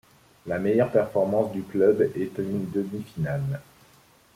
La meilleure performance du club est une demi-finale.